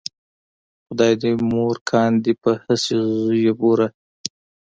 خدای دې مور کاندې په هسې زویو بوره